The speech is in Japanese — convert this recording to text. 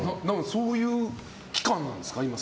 そういう期間なんですか？